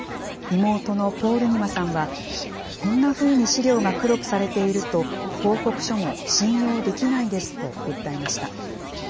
妹のポールニマさんは、こんなふうに資料が黒くされていると、報告書も信用できないですと訴えました。